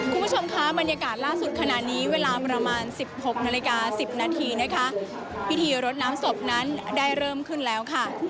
คุณผู้ชมคะบรรยากาศล่าสุดขณะนี้เวลาประมาณสิบหกนาฬิกาสิบนาทีนะคะพิธีรดน้ำศพนั้นได้เริ่มขึ้นแล้วค่ะ